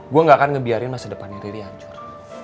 gue gak akan ngebiarin masa depan riri hancur